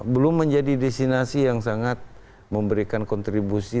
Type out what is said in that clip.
belum menjadi destinasi yang sangat memberikan kontribusi